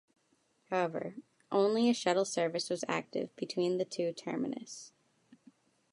However, only a shuttle service was active between the two terminus.